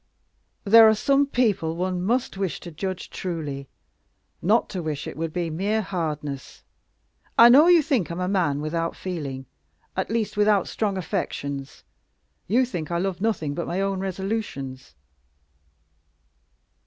"There are some people one must wish to judge truly. Not to wish it would be mere hardness. I know you think I am a man without feeling at least, without strong affections. You think I love nothing but my own resolutions."